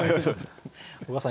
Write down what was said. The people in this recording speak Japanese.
小川さん